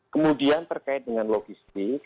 kemudian terkait dengan logistik